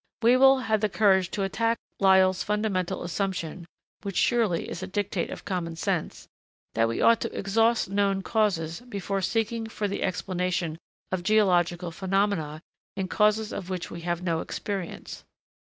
Whewell had the courage to attack Lyell's fundamental assumption (which surely is a dictate of common sense) that we ought to exhaust known causes before seeking for the explanation of geological phenomena in causes of which we have no experience.